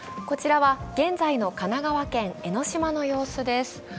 こちらは現在の神奈川県江の島の様子です。